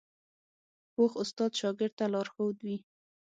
پوخ استاد شاګرد ته لارښود وي